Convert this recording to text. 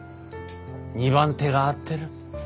２番手が合ってる。